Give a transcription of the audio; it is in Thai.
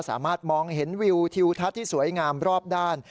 สามารถมองเห็นวิวทิวทัศน์ที่สวยงามรอบด้าน